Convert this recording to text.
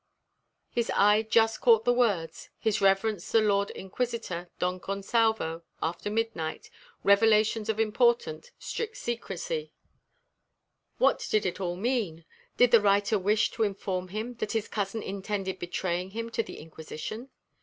His eye just caught the words, "His reverence the Lord Inquisitor Don Gonsalvo after midnight revelations of importance strict secrecy." What did it all mean? Did the writer wish to inform him that his cousin intended betraying him to the Inquisition?